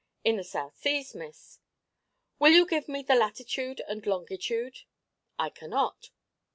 "In the South Seas, Miss." "Will you give me the latitude and longitude?" "I cannot."